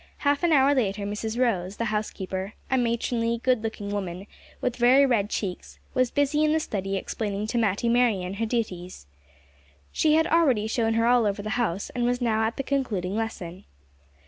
Half an hour later, Mrs Rose, the housekeeper, a matronly, good looking woman, with very red cheeks, was busy in the study explaining to Matty Merryon her duties. She had already shown her all over the house, and was now at the concluding lesson.